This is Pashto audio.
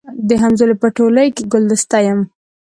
د همزولو په ټولۍ کي ګلدسته یم